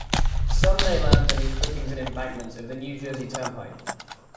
Some may lie underneath footings and embankments of the New Jersey Turnpike.